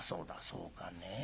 「そうかねぇ。